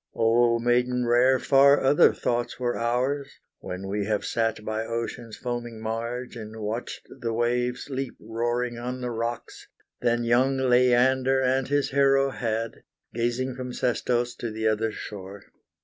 O, maiden rare, far other thoughts were ours, When we have sat by ocean's foaming marge, And watched the waves leap roaring on the rocks, Than young Leander and his Hero had, Gazing from Sestos to the other shore.